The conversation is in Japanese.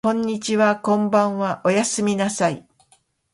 こんにちはこんばんはおやすみなさい